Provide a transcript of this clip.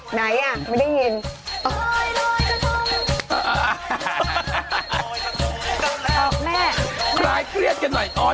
ไหนอ่ะไม่ได้ยิน